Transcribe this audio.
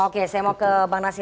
oke saya mau ke bang nasir